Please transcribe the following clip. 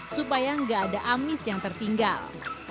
supaya nggak ada amis yang tertinggal